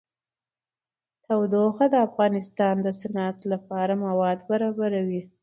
تودوخه د افغانستان د صنعت لپاره مواد برابروي.